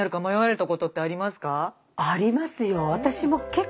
ありますよ。